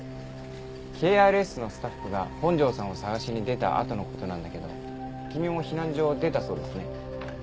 ＫＲＳのスタッフが本庄さんを捜しに出たあとの事なんだけど君も避難所を出たそうですね。